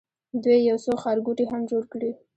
دوی یو څو ښارګوټي هم جوړ کړي.